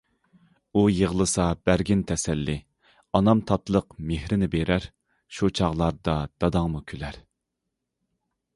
ئۇ، يىغلىسا بەرگىن تەسەللى، ئانام تاتلىق مېھرىنى بېرەر، شۇ چاغلاردا داداڭمۇ كۈلەر.